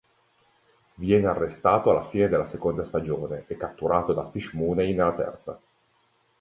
Viene arrestato alla fine della seconda stagione, e catturato da Fish Mooney nella terza.